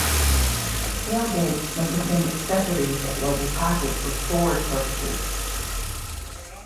Tailgates may contain accessories like a "pocket" for storage purposes.